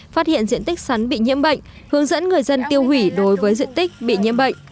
phát hiện diện tích sắn bị nhiễm bệnh hướng dẫn người dân tiêu hủy đối với diện tích bị nhiễm bệnh